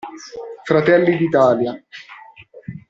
Fratelli d'Italia.